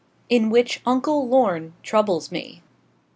IN WHICH UNCLE LORNE TROUBLES ME.